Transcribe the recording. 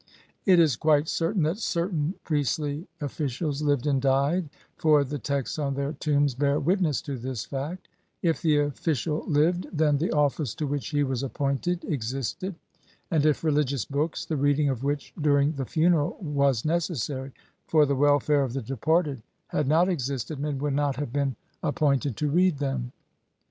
It is quite certain that certain priestly offi cials lived and died, for the texts on their tombs bear witness to this fact ; if the official lived, then the office to which he was appointed existed ; and if religious books, the reading of which during the funeral was necessary for the welfare of the departed, had not existed, men would not have been appointed to read them.